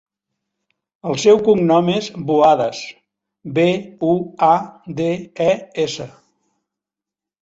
El seu cognom és Buades: be, u, a, de, e, essa.